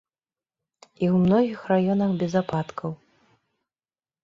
І ў многіх раёнах без ападкаў.